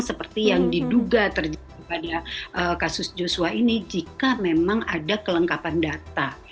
seperti yang diduga terjadi pada kasus joshua ini jika memang ada kelengkapan data